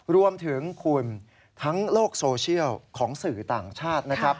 รวมถึงคุณทั้งโลกโซเชียลของสื่อต่างชาตินะครับ